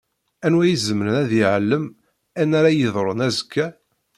Anwa i izemren ad iɛlem ayen ara yeḍṛun azekka?